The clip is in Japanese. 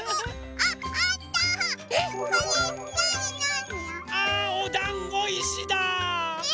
あおだんごいしだ！え？